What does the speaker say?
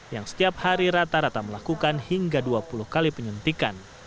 yang setiap hari rata rata melakukan hingga dua puluh kali penyuntikan